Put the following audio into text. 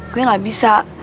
gua gak bisa